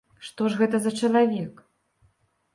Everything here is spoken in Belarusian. Што ж гэта за чалавек?